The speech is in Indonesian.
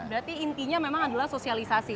berarti intinya memang adalah sosialisasi